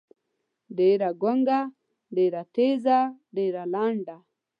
ډېــره ګونګــــــه، ډېــره تېــزه، ډېــره لنډه.